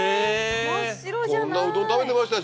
こんなうどん食べてましたよ